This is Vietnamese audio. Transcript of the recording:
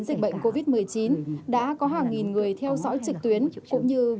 dịch bệnh covid một mươi chín đã có hàng nghìn người theo dõi trực tuyến cũng như